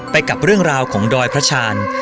กับเรื่องราวของดอยพระชาญ